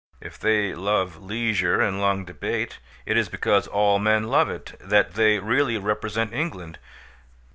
If they love leisure and long debate, it is because all men love it; that they really represent England.